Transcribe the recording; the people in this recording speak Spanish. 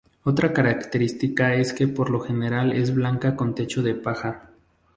Otra característica es que por lo general es blanca con techo de paja.